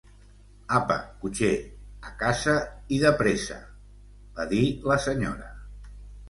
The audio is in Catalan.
Apa, cotxer, a casa i depresa, va dir la senyora